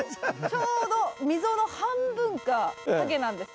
ちょうど溝の半分が影なんですよ。